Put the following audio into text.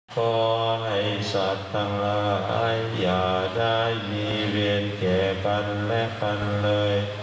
ขอให้สัตว์ต่างละไออย่าได้มีเวียนเก่ปันและปันเลย